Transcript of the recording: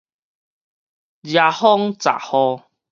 遮風閘雨